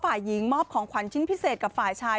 ฝ่ายหญิงมอบของขวัญชิ้นพิเศษกับฝ่ายชาย